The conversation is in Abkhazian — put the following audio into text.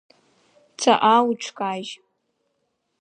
Ҵаҟа уҽкажь!